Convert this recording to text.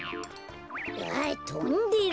あっとんでる。